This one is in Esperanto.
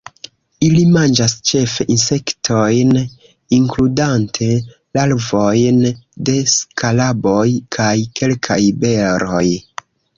Ili manĝas ĉefe insektojn, inkludante larvojn de skaraboj, kaj kelkaj beroj.